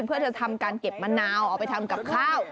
เพื่อเธอทำการเก็บมะนาวเอาไปทำกับข้าว